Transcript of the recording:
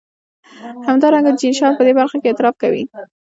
همدارنګه جین شارپ په دې برخه کې اعتراف کوي.